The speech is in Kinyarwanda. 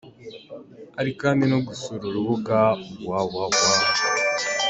Hari kandi no gusura urubuga www.